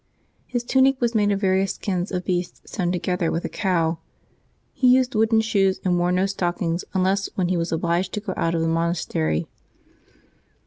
His tunic was made of various skins of beasts sewn together, with a cowl; he used wooden shoes, and wore no stockings unless when he was obliged to go out of the monastery.